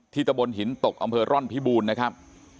ตะบนหินตกอำเภอร่อนพิบูรณ์นะครับ